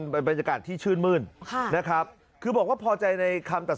เป็นบรรยากาศที่ชื่นมื้นนะครับคือบอกว่าพอใจในคำตัด